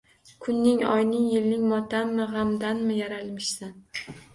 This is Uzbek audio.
Kuning, oying, yiling motammi, gʻamdanmi yaralmishsan?